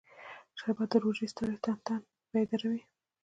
شربت د روژې ستړی تن بیداروي